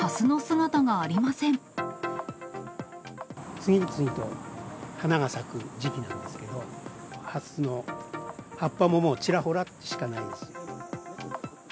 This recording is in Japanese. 次々と花が咲く時期なんですけど、ハスの葉っぱももうちらほらしかないです。